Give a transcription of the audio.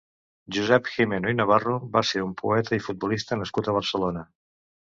Josep Gimeno i Navarro va ser un poeta i futbolista nascut a Barcelona.